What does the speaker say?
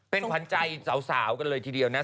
เป็นขวัญใจสาวกันเลยทีเดียวนะ